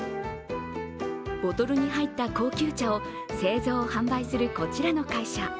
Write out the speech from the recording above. ボトルに入った高級茶を製造・販売するこちらの会社。